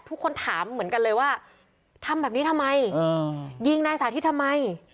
ทุกคนถามเหมือนกันเลยว่าทำแบบนี้ทำไมยิงนายสาธิตทำไม